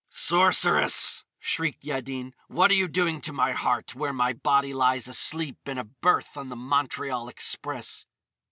"Sorceress!" shrieked Yaddin, "what are you doing to my heart, where my body lies asleep in a berth on the Montreal Express!"